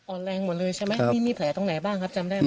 แรงหมดเลยใช่ไหมมีแผลตรงไหนบ้างครับจำได้ไหม